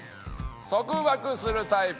「束縛するタイプ？」。